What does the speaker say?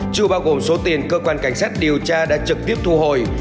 chưa bao gồm số tiền cơ quan cảnh sát điều tra đã trực tiếp thu hồi